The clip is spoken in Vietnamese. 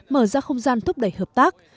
mở ra không gian thúc đẩy hợp tác